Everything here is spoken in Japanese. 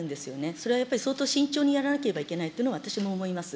それはやっぱり相当慎重にやらなければいけないというのは私も思います。